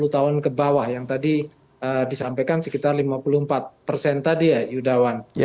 sepuluh tahun ke bawah yang tadi disampaikan sekitar lima puluh empat persen tadi ya yudawan